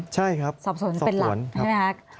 ใช่ครับสอบสวนเป็นหลัก